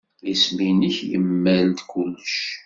Isem-nnek yemmal-d kullec.